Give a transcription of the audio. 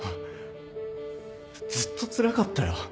ずっとつらかったよ